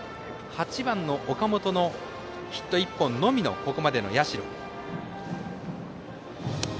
８番、岡本のヒット１本のみのここまでの社。